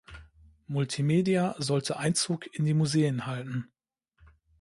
Multimedia sollte Einzug in die Museen halten.